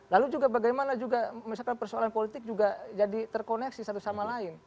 lalu juga bagaimana juga misalkan persoalan politik juga jadi terkoneksi satu sama lain